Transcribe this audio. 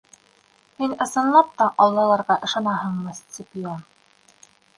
Һин ысынлап та Аллаларға ышанаһыңмы, Сципион?